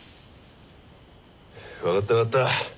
分かった分かった。